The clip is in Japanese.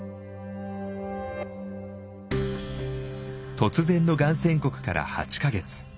突然のがん宣告から８か月。